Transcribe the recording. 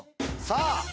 さあ。